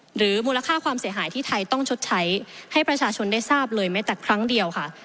มูลค่าความเสียหายที่ไทยต้องชดใช้ให้ประชาชนได้ทราบเลยแม้แต่ครั้งเดียวค่ะ